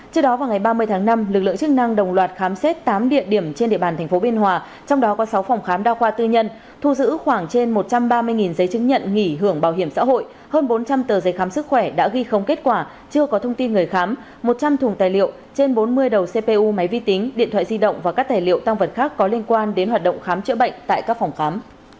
trước đó vào ngày ba mươi tháng năm lực lượng chức năng đồng loạt khám xét tám địa điểm trên địa bàn tp biên hòa trong đó có sáu phòng khám đa khoa tư nhân thu giữ khoảng trên một trăm ba mươi giấy chứng nhận nghỉ hưởng bảo hiểm xã hội hơn bốn trăm linh tờ giấy khám sức khỏe đã ghi không kết quả chưa có thông tin người khám một trăm linh thùng tài liệu trên bốn mươi đầu cpu máy vi tính điện thoại di động và các tài liệu tăng vật khác có liên quan đến hoạt động khám chữa bệnh tại các phòng khám